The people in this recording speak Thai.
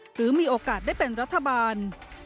หรือมีโอกาสได้เป็นรัฐบาล